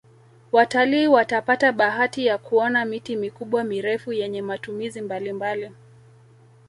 watalii watapata bahati ya kuona miti mikubwa mirefu yenye matumizi mbalimbali